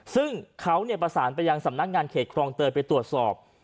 ซึ่งเขาประสานไปยังสำนักงานเขตครองเตยไปตรวจสอบ